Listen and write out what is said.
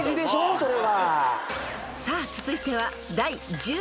［それは］